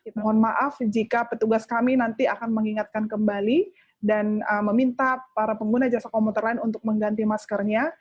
mohon maaf jika petugas kami nanti akan mengingatkan kembali dan meminta para pengguna jasa komuter lain untuk mengganti maskernya